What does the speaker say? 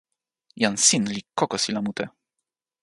jan sin li kokosila mute.